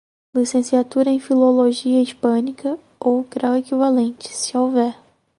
Licenciatura em Filologia Hispânica, ou grau equivalente, se houver.